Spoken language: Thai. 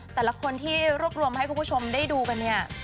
แต่ละคนที่รวบรวมให้คุณผู้ชมได้ดูกันเนี่ย